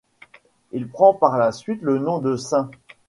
Elle prend par la suite le nom de St.